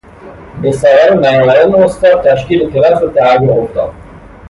به سبب نیامدن استاد، تشکیل کلاس به تعویق افتاد.